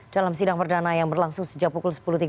dalam sidang perdana yang berlangsung sejak pukul sepuluh tiga puluh